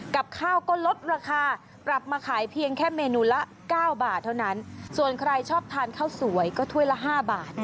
กับข้าวก็ลดราคาปรับมาขายเพียงแค่เมนูละ๙บาทเท่านั้นส่วนใครชอบทานข้าวสวยก็ถ้วยละ๕บาท